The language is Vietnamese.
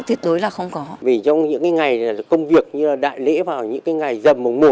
tuyệt đối là không có vì trong những cái ngày công việc như là đại lễ vào những cái ngày dầm mồng một